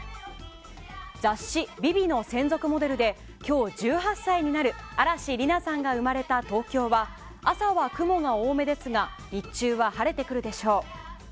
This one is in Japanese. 雑誌「ＶｉＶｉ」の専属モデルで今日１８歳になる嵐莉菜さんが生まれた東京は朝は雲が多めですが日中は晴れてくるでしょう。